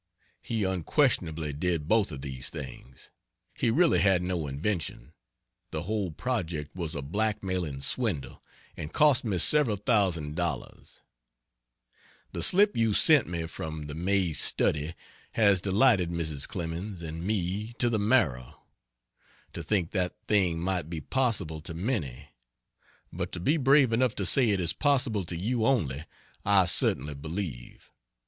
He unquestionably did both of these things. He really had no invention; the whole project was a blackmailing swindle, and cost me several thousand dollars. The slip you sent me from the May "Study" has delighted Mrs. Clemens and me to the marrow. To think that thing might be possible to many; but to be brave enough to say it is possible to you only, I certainly believe.